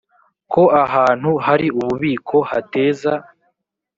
ko ahantu hari ububiko hateza